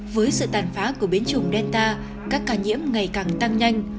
với sự tàn phá của bến trùng delta các ca nhiễm ngày càng tăng nhanh